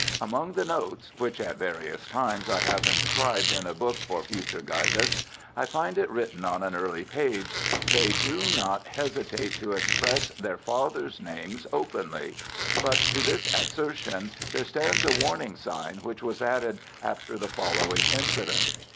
Among the notes which at various times I have inscribed in a book for future guidance I find it written on an early page, "They do not hesitate to express their fathers' names openly," but to this assertion there stands a warning sign which was added after the following incident.